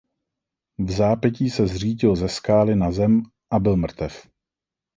Vzápětí se zřítil ze skály na zem a byl mrtev.